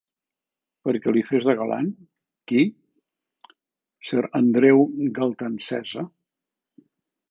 Perquè li fes de galant? Qui? Sir Andreu Galtaencesa?